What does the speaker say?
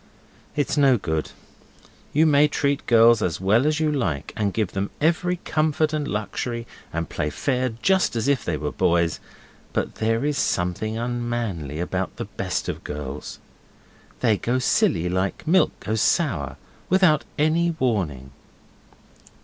It's no good. You may treat girls as well as you like, and give them every comfort and luxury, and play fair just as if they were boys, but there is something unmanly about the best of girls. They go silly, like milk goes sour, without any warning.